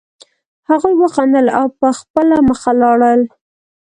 هغوی وخندل او په خپله مخه لاړل